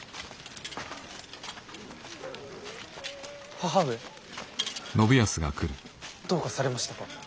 母上どうかされましたか？